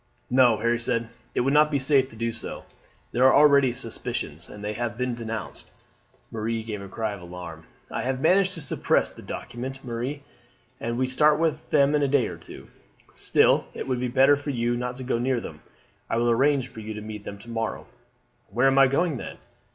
"No," Harry said. "It would not be safe to do so. There are already suspicions, and they have been denounced." Marie gave a cry of alarm. "I have managed to suppress the document, Marie, and we start with them in a day or two. Still it will be better for you not to go near them. I will arrange for you to meet them to morrow." "Where am I going, then?"